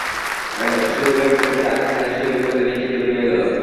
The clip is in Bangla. ধ্রুবের মুখের আধখানা সেই মুকুটের নীচে ডুবিয়া গেল।